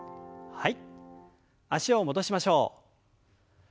はい。